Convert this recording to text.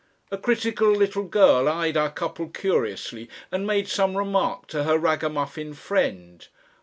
A critical little girl eyed our couple curiously and made some remark to her ragamuffin friend.